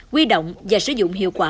quy động và sử dụng hiệu quả